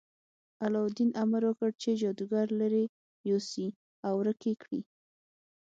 علاوالدین امر وکړ چې جادوګر لرې یوسي او ورک یې کړي.